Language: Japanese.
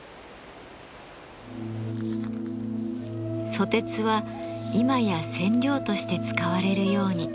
ソテツは今や染料として使われるように。